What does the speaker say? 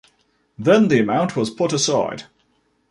Then the amount was put aside.